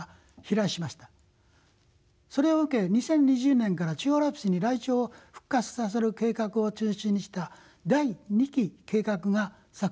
それを受け２０２０年から中央アルプスにライチョウを復活させる計画を中心にした第二期計画が作成されました。